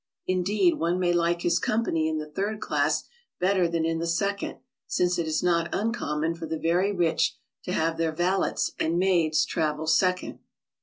Indeed, one may like his company in the third class better than in the second, since it is not uncommon for the very rich to have their valets and maids travel second.